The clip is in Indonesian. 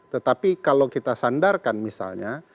tetapi kalau kita sandarkan misalnya